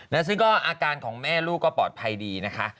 และซึ่งก็อาการของแม่ลูกก็ปลอดภัยดีนะคะ